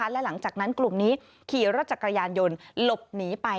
และหลังจากนั้นกลุ่มนี้ขี่รถจักรยานยนต์หลบหนีไป